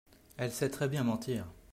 elle sait très bien mentir.